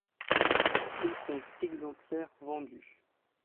Il compte exemplaires vendus.